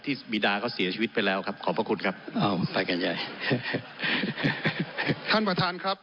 บีดาเขาเสียชีวิตไปแล้วครับขอบพระคุณครับอ้าวไปกันใหญ่ท่านประธานครับ